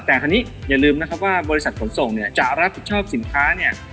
แต่คราวนี้อย่าลืมนะครับว่าบริษัทขนส่งเนี่ยจะรับผิดชอบสินค้าเนี่ย